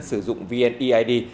sử dụng vneid